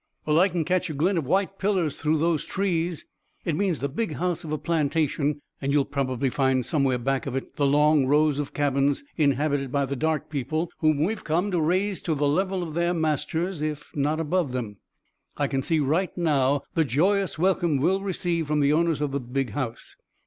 "Well, I can catch a glint of white pillars through those trees. It means the 'big house' of a plantation, and you'll probably find somewhere back of it the long rows of cabins, inhabited by the dark people, whom we've come to raise to the level of their masters, if not above them. I can see right now the joyous welcome we'll receive from the owners of the big house.